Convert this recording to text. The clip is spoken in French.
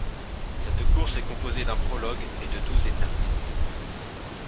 Cette course est composée d'un prologue et de douze étapes.